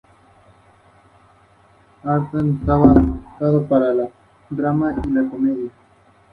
Australia y Nueva Zelanda jugaron dos partidos para determinar el ganador